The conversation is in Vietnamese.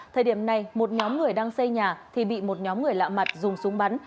thời điểm này một nhóm người đang xây nhà thì bị một nhóm người lạ mặt dùng súng bắn